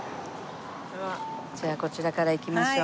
じゃあこちらから行きましょう。